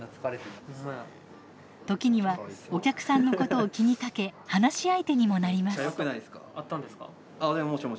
時にはお客さんのことを気にかけ話し相手にもなります。